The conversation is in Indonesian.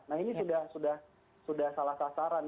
nah ini sudah salah sasaran